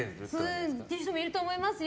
そういう人もいると思いますよ。